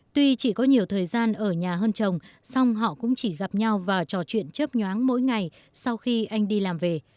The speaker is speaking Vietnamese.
tuy chỉ có nhiều thời gian ở nhà hơn chồng song họ cũng chỉ gặp nhau và trò chuyện chấp nhoáng mỗi ngày sau khi anh đi làm về